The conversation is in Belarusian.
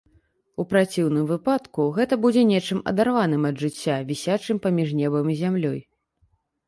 У праціўным выпадку гэта будзе нечым адарваным ад жыцця, вісячым паміж небам і зямлёй.